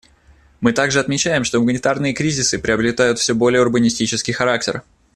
Мы также отмечаем, что гуманитарные кризисы приобретают все более урбанистический характер.